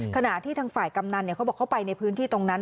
ขณะที่ทางฝ่ายกำนันเขาบอกเขาไปในพื้นที่ตรงนั้น